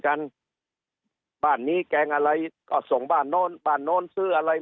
กันบ้านนี้แกงอะไรก็ส่งบ้านโน้นบ้านโน้นซื้ออะไร